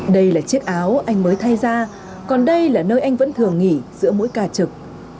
đây là chiếc áo anh mới thay ra còn đây là nơi anh vẫn thường nghỉ giữa mỗi ca trực